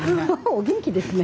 お元気ですね。